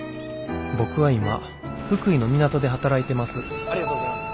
僕は今福井の港で働いてます。